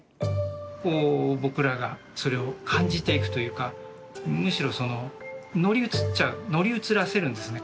こう僕らがそれを感じていくというかむしろその乗り移っちゃう乗り移らせるんですね